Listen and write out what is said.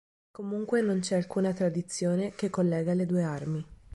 Comunque non c'è alcuna tradizione che collega le due armi.